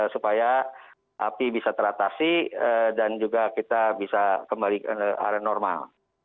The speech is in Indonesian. supaya api bisa teratasi dan juga kita bisa kembali ke area normal